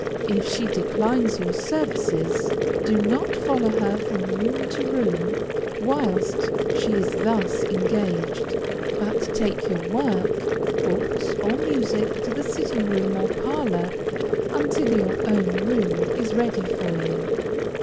If she declines your services, do not follow her from room to room whilst she is thus engaged, but take your work, books, or music to the sitting room or parlor, until your own room is ready for you.